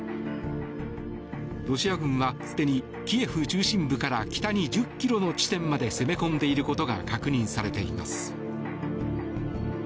ロシア軍はすでにキエフ中心部から北に１０ｋｍの地点まで攻め込んでいることが確認されています。